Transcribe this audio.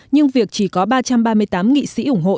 nhưng việc chỉ có ba trăm ba mươi tám nghị sĩ ủng hộ